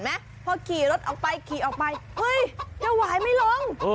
เห็นไหมพอกี่รถออกไปกี่เอาไปเฮ้ยเจ้าหวายไม่ลง